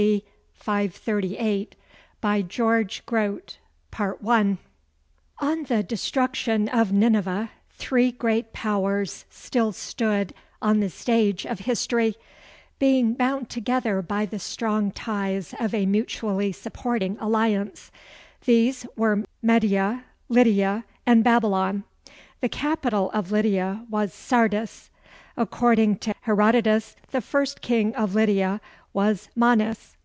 C. 538 GEORGE GROTE On the destruction of Nineveh three great Powers still stood on the stage of history, being bound together by the strong ties of a mutually supporting alliance. These were Media, Lydia, and Babylon. The capital of Lydia was Sardis. According to Herodotus, the first king of Lydia was Manes.